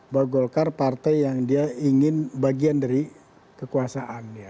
bahwa golkar partai yang dia ingin bagian dari kekuasaan